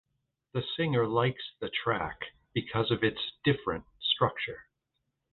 The singer likes the track because of its "different" structure.